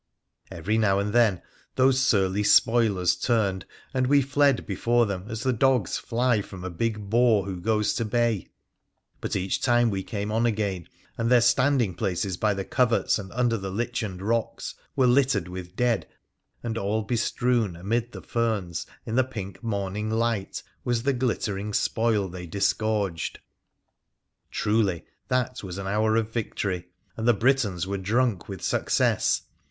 Every now and then those surly spoilers turned, and we fled before them as the dogs fly from a big boar who goes to bay ; but each time we came on again, and their standing places by the coverts and under the lichened rocks were littered with dead, and all bestrewn amid the ferns in the pink morning light was the glittering spoil they dis gorged. Truly that was an hour of victory, and the Britons were drunk with success.